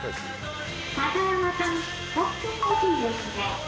片山さん、ホットコーヒーですね。